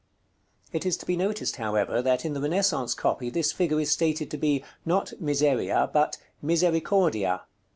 It is to be noticed, however, that in the Renaissance copy this figure is stated to be, not Miseria, but "Misericordia."